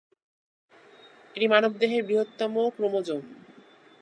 এটি মানবদেহের বৃহত্তম ক্রোমোজোম।